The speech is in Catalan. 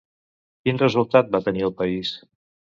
Quin resultat va tenir al país?